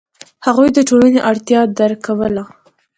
هغوی د ټولنې اړتیا درک کوله.